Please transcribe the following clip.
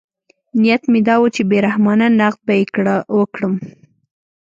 نیت مې دا و چې بې رحمانه نقد به یې وکړم.